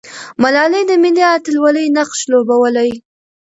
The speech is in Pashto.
ملالۍ د ملي اتلولۍ نقش لوبولی.